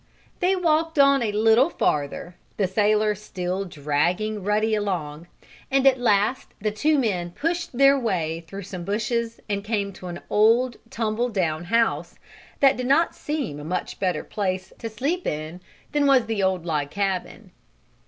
They walked on a little farther, the sailor still dragging Ruddy along, and at last the two men pushed their way through some bushes and came to an old, tumble down house, that did not seem a much better place to sleep in than was the old log cabin.